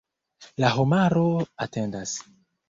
La homaro atendas.